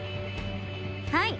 はい！